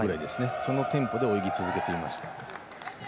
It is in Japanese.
そのテンポで泳ぎ続けています。